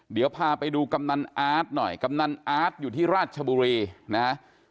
เดี๋ยวพาไปดูกำนันอาร์ตหน่อยกำนันอาร์ตอยู่ที่ราชบุรีนะฮะ